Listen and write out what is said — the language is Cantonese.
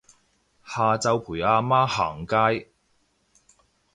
下晝陪阿媽行街